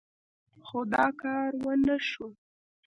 خو دا کار ونه شو.